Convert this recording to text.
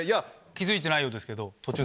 気付いてないようですけど。